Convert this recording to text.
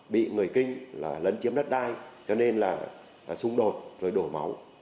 bị người kinh là lấn chiếm đất đai cho nên là xung đột rồi đổ máu v v